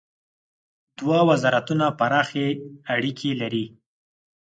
دوه وزارتونه پراخ اړیکي لري.